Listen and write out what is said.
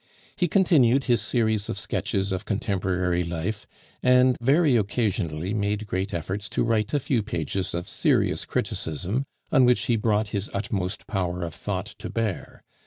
He continued his series of sketches of contemporary life, and very occasionally made great efforts to write a few pages of serious criticism, on which he brought his utmost power of thought to bear.